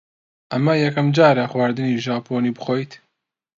ئەمە یەکەم جارە خواردنی ژاپۆنی بخۆیت؟